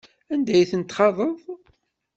Anda ay ten-txaḍeḍ?